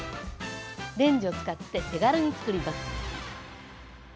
レンジを使って手軽につくります。